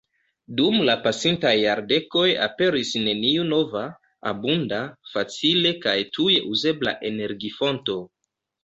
Dum la pasintaj jardekoj aperis neniu nova, abunda, facile kaj tuj uzebla energifonto.